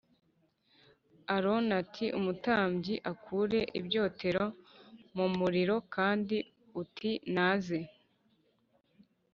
Aroni umutambyi akure ibyotero mu muriro kandi uti naze